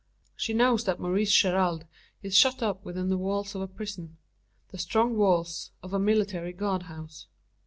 She knows that Maurice Gerald is shut up within the walls of a prison the strong walls of a military guard house.